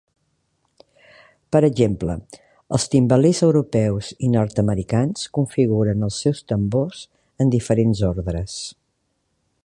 Per exemple, els timbalers europeus i nord-americans configuren els seus tambors en diferents ordres.